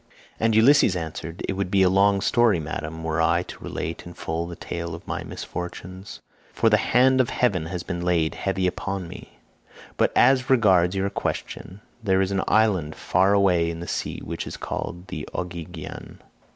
And Ulysses answered, "It would be a long story Madam, were I to relate in full the tale of my misfortunes, for the hand of heaven has been laid heavy upon me; but as regards your question, there is an island far away in the sea which is called 'the Ogygian.